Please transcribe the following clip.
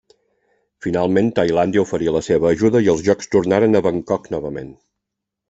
Finalment Tailàndia oferí la seva ajuda i els Jocs tornaren a Bangkok novament.